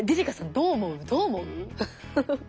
どう思う？